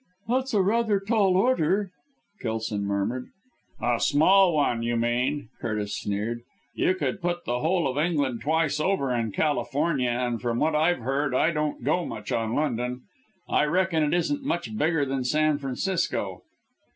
"That's rather a tall order," Kelson murmured. "A small one, you mean," Curtis sneered, "you could put the whole of England twice over in California, and from what I've heard I don't go much on London. I reckon it isn't much bigger than San Francisco."